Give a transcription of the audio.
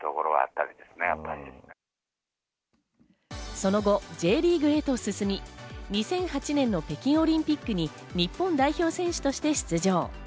その後、Ｊリーグへと進み、２００８年の北京オリンピックに日本代表選手として出場。